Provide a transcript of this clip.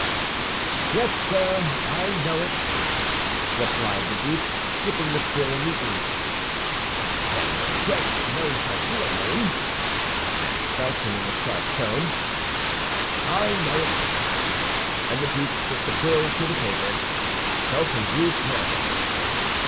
"Yes, sir, I know it," replied the duke, dipping the quill in the ink. "Then your Grace knows her real name?" asked Felton, in a sharp tone. "I know it"; and the duke put the quill to the paper. Felton grew pale.